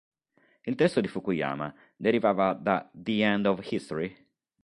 Il testo di Fukuyama derivava da "The End of History?